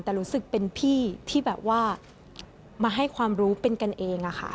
แต่รู้สึกเป็นพี่ที่แบบว่ามาให้ความรู้เป็นกันเองอะค่ะ